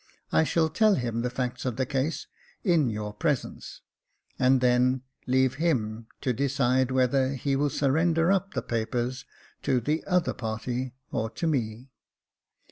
I shall tell him the facts of the case in your presence, and then leave him to decide whether he will surrender up the papers to the other party, or to me.